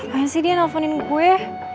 ngapain sih dia nelfonin kue